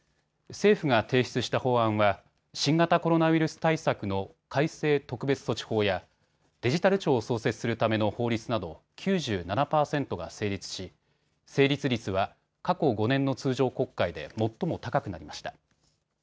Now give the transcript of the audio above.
政府が提出した法案は新型コロナウイルス対策の改正特別措置法やデジタル庁を創設するための法律など９７％が成立し成立率は過去５年の通常国会で最も高くなりました。